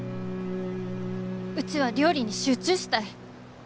うちは料理に集中したい。